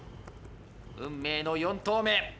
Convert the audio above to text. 運命の４投目。